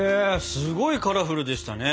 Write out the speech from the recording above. すごいカラフルでしたね。